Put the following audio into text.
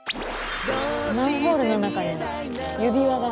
マンホールの中に指輪が。